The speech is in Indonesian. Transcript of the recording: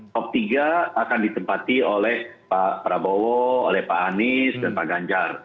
top tiga akan ditempati oleh pak prabowo oleh pak anies dan pak ganjar